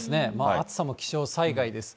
暑さも気象災害です。